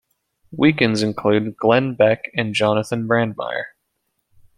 Weekends include Glenn Beck and Jonathan Brandmeier.